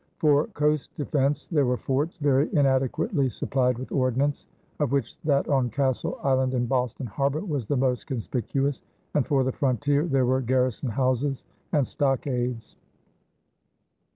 For coast defense there were forts, very inadequately supplied with ordnance, of which that on Castle Island in Boston harbor was the most conspicuous, and, for the frontier, there were garrison houses and stockades.